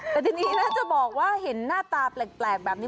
แต่ทีนี้ถ้าจะบอกว่าเห็นหน้าตาแปลกแบบนี้